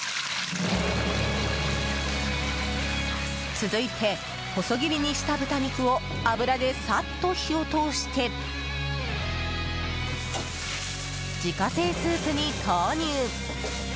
続いて、細切りにした豚肉を油でサッと火を通して自家製スープに投入。